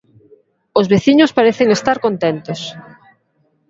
Os veciños parecen estar contentos.